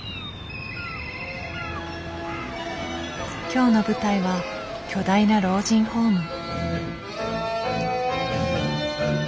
今日の舞台は巨大な老人ホーム。